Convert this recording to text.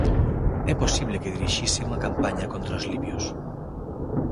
É posible que dirixise unha campaña contra os libios.